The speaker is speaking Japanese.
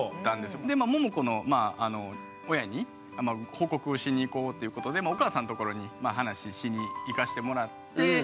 ももこの親に報告をしに行こうっていうことでお母さんのところに話しに行かしてもらって。